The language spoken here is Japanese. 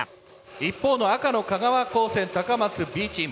一方の香川高専高松Ｂチーム。